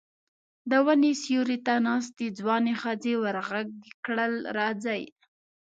د وني سيوري ته ناستې ځوانې ښځې ور غږ کړل: راځه!